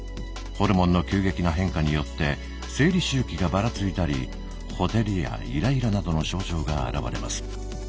ホルモンの急激な変化によって生理周期がばらついたりほてりやイライラなどの症状が現れます。